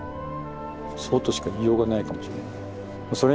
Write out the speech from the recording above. そうとしか言いようがないかもしれない。